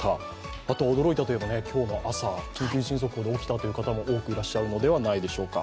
あと驚いたというと、今朝、緊急地震速報で起きたという方も多くいらっしゃるのではないでしょうか。